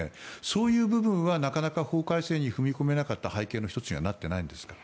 そういう部分はなかなか法改正に踏み込めなかった背景の１つにはなっていないんですか？